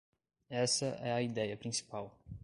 Essa é a ideia principal.